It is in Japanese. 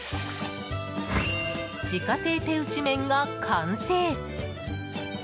自家製手打ち麺が完成。